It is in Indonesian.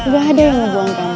gak ada yang ngebuang kamu